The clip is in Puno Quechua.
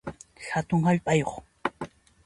Hatun hallp'ayuq